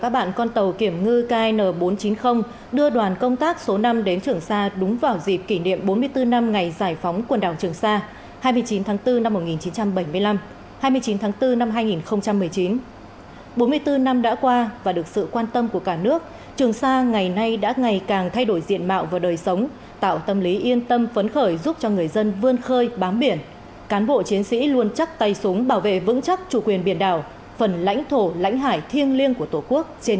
bà con tiểu bào nước ngoài hãy yên tâm vào sự nghiệp bảo vệ thủ quyền biển đạo của tổ quốc